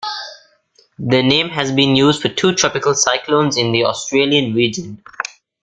The name has been used for two tropical cyclones in the Australian region.